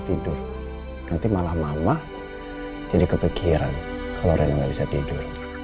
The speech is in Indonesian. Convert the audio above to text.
tidur nanti malah mama jadi kepikiran kalau rina nggak bisa tidur aku nyaman tidur di sini